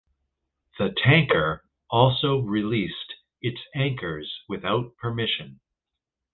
The tanker also released its anchors without permission.